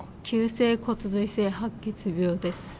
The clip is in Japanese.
急性骨髄性白血病です。